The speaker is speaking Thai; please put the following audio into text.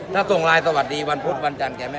ถ้าส่งไลน์สวัสดีวันพุธวันจันทร์แกไม่